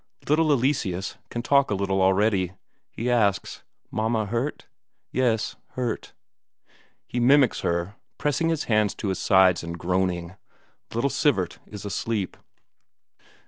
Little Eleseus can talk a little already; he asks: "Mama hurt? " "Yes, hurt." He mimics her, pressing his hands to his sides and groaning. Little Sivert is asleep.